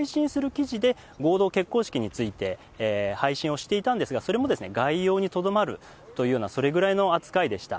記事で合同結婚式について、配信をしていたんですが、それも概要にとどまるというような、それぐらいの扱いでした。